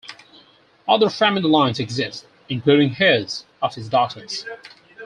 Other family lines exist, including heirs of his daughters.